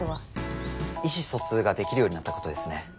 意思疎通ができるようになったことですね。